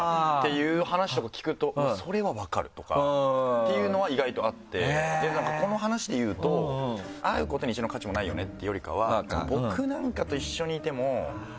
いう話とか聞くと「それは分かる」とかっていうのは意外とあってこの話で言うと会うことに１円の価値もないよねっていうよりかは。